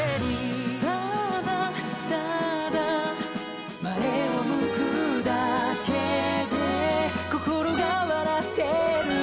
「ただ、ただ」「前を向くだけで心が笑ってる」